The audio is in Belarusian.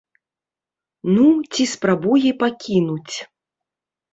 Ну, ці спрабуе пакінуць.